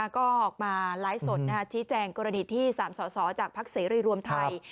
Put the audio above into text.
ก็ออกมาไลฟ์สดชี้แจงกรณีที่๓สสจากภักดิเสรีรวมไทย